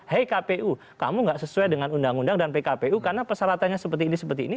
hei kpu kamu gak sesuai dengan undang undang dan pkpu karena persyaratannya seperti ini seperti ini